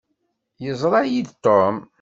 Yeẓṛa-yi-d Tom.